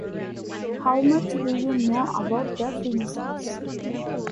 How much do you know about the Freemasons?